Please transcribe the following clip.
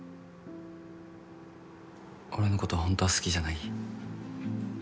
俺のことホントは好きじゃない？